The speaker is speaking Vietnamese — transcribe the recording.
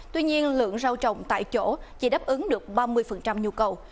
tuy nhiên lượng rau trồng tại chỗ chỉ đáp ứng được ba mươi nhu cầu